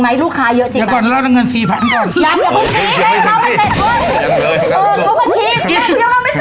ไม่ยังไม่เสร็จเลย